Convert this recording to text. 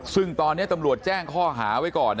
ซึ่งตอนนี้ตำรวจแจ้งข้อหาไว้ก่อน